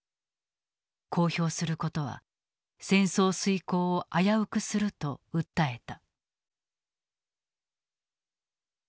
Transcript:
公表することは戦争遂行を危うくすると訴えた。